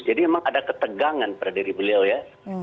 jadi memang ada ketegangan pada diri beliau ya